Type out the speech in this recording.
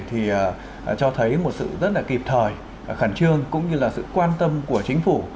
thì cho thấy một sự rất là kịp thời khẩn trương cũng như là sự quan tâm của chính phủ